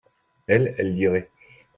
elle, elle lirait.